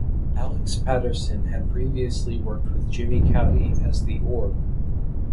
Alex Paterson had previously worked with Jimmy Cauty as The Orb.